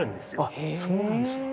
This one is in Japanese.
あそうなんですか。